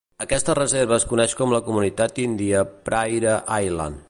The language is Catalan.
Aquesta reserva es coneix com la Comunitat Índia Prairie Island.